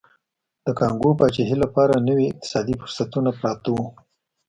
د کانګو پاچاهۍ لپاره نوي اقتصادي فرصتونه پراته وو.